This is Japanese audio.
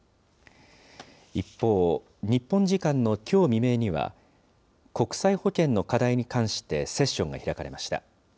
一方、日本時間のきょう未明には、国際保健の課題に関してセッションが開かれました。